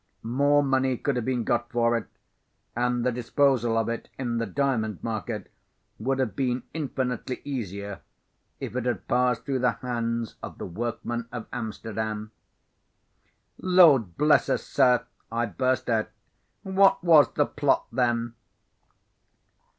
More money could have been got for it, and the disposal of it in the diamond market would have been infinitely easier, if it had passed through the hands of the workmen of Amsterdam." "Lord bless us, sir!" I burst out. "What was the plot, then?"